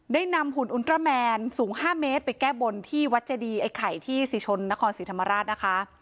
ได้นำหุ่นอุลตราแมนสูง๕เมตรไปแก้บนที่วัดเจดีไอ้ไข่ที่ศรีชนนครศรีธรรมราชนะคะ